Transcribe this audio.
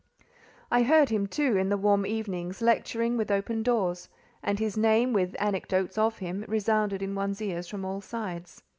I heard him, too, in the warm evenings, lecturing with open doors, and his name, with anecdotes of him, resounded in ones ears from all sides.